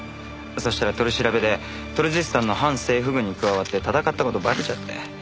そしたら取り調べでトルジスタンの反政府軍に加わって戦った事バレちゃって。